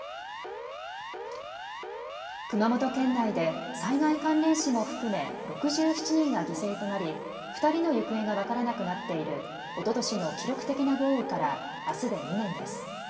熊本県内で災害関連死も含め６７人が犠牲となり２人の行方が分からなくなっているおととしの記録的な豪雨からあすで２年です。